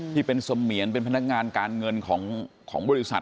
ที่เป็นเสมียนเป็นพนักงานการเงินของบริษัท